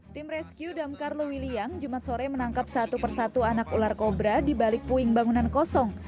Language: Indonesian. tim rescue damkar lewiliang jumat sore menangkap satu persatu anak ular kobra di balik puing bangunan kosong